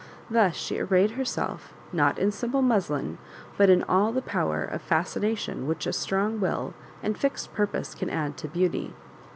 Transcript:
Thus she ar rayed herself, not in simple muslin, but in all the power of fascination which a strong will and fixed purpose can add to beauty.